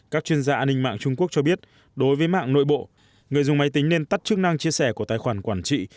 các chuyên gia an ninh mạng trung quốc cho biết đối với mạng nội bộ người dùng máy tính nên tắt chức năng chia sẻ của tài khoản quản trị